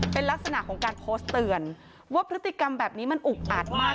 เป็นลักษณะของการโพสต์เตือนว่าพฤติกรรมแบบนี้มันอุกอาจมาก